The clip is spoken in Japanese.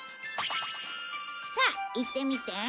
さあ言ってみて。